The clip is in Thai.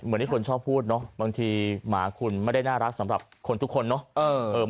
เหมือนที่คนชอบพูดเนาะบางทีหมาคุณไม่ได้น่ารักสำหรับคนทุกคนเนาะ